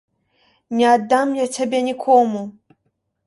Не аддам я цябе нікому.